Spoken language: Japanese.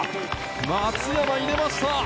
松山、入れました！